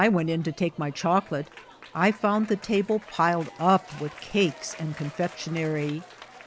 urent in to take my chocolate, I found the table piled up with cakes and conlfectiDnarj.